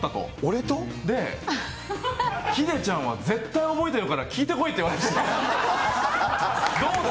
で、ヒデちゃんは絶対覚えているから聞いてこいって言われました。